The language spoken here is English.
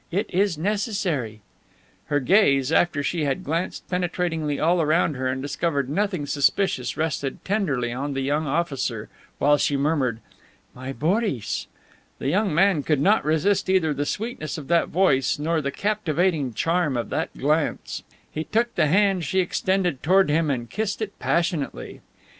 It is necessary." Her gaze, after she had glanced penetratingly all around her and discovered nothing suspicious, rested tenderly on the young officer, while she murmured, "My Boris!" The young man could not resist either the sweetness of that voice, nor the captivating charm of that glance. He took the hand she extended toward him and kissed it passionately.